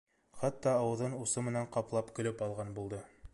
Хатта ауыҙын усы менән ҡаплап көлөп алған булды.